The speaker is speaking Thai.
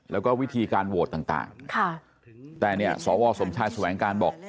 แล้วก็วิธีการโหวตต่างแต่เนี่ยสวสมชายแสวงการบอก